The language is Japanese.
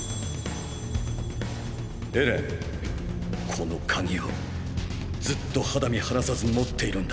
この鍵をずっと肌身離さず持っているんだ。